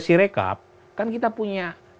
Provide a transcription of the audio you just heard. sirecap kan kita punya